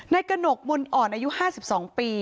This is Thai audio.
ในกระหนกมนต์อ่อนอายุ๕๒ปี